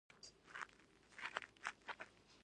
موسی علیه السلام د ښکلو شنو غونډیو په منځ کې پر لاره روان و.